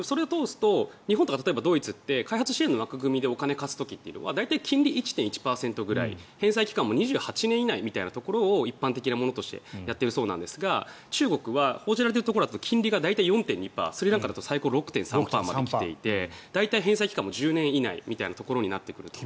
日本とかドイツって開発支援の枠組みでお金を貸す時というのは大体金利１．１％ぐらい返済期間も２８年以内みたいなところを一般的としてやっているそうなんですが中国は報じられているところだと金利が大体６．２％スリランカだと最高６．３％まで来ていて返済期限も１０年以内ぐらいになっていると。